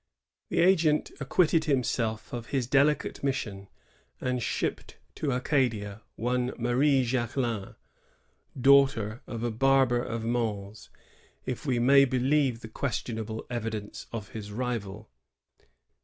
17 The agent acquitted himself of his delicate mission, and shipped to Acadia one Marie Jacquelin, —> daughter of a barber of Mans, if we may believe the questionable evidence of his rival.